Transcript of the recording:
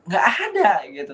gak ada gitu